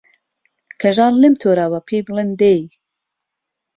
کەژاڵ لێم تۆراوە پێی بڵێن دەی